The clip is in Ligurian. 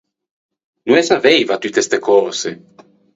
No ê saveiva tutte ste cöse.